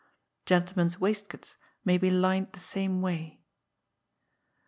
Gentlemen's waistcoats may be lined the same way.